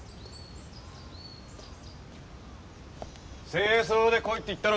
正装で来いって言ったろ。